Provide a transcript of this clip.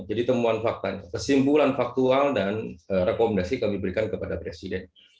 jadi temuan faktanya kesimpulan faktual dan rekomendasi kami berikan kepada presiden